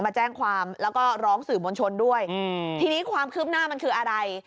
มาแจ้งความแล้วก็ร้องสื่อมวลชนด้วยอืมทีนี้ความคืบหน้ามันคืออะไร